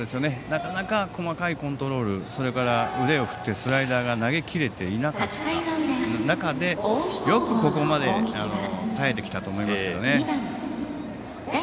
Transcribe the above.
なかなか細かいコントロールそれから腕を振ってスライダーが投げ切れていない中でよくここまで耐えてきたと思いますね。